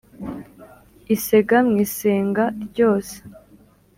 isega mu isenga ryose